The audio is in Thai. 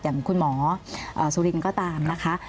อย่างคุณหมอสุรินทร์ก็ตามนะคะ